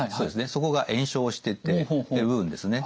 そこが炎症しててっていう部分ですね。